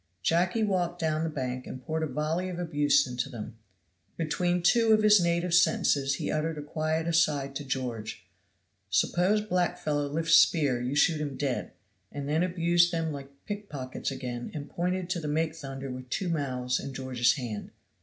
Jacky walked down the bank and poured a volley of abuse into them. Between two of his native sentences he uttered a quiet aside to George, "Suppose black fellow lift spear you shoot him dead," and then abused them like pickpockets again and pointed to the make thunder with two mouths in George's hand.